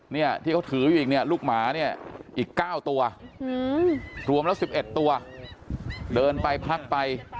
เนี่ยที่เขาถืออยู่อีกเนี่ยลูกหมาเนี่ยอีก๙ตัวรวมแล้ว๑๑ตัวเดินไปพักไป